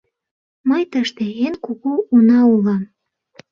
— Мый тыште эн кугу уна улам.